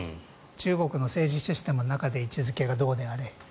中国の政治システムの中で位置付けがどうであれ。